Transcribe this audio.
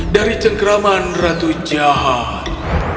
dari cengkraman ratu jahat